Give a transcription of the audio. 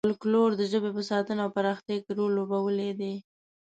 فولکلور د ژبې په ساتنه او پراختیا کې رول لوبولی دی.